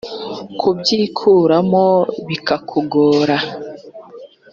kubyikuramo bikakugora.